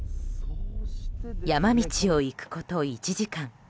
山道を行くこと１時間。